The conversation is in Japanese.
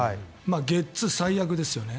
ゲッツー、最悪ですよね。